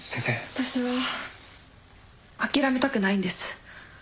私は諦めたくないんです。